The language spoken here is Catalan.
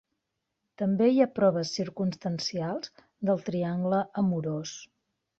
També hi ha proves circumstancials del triangle amorós.